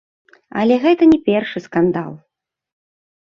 Але гэта не першы скандал.